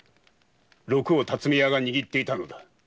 六を巽屋が握っていたのだ。